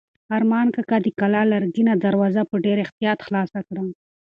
ارمان کاکا د کلا لرګینه دروازه په ډېر احتیاط خلاصه کړه.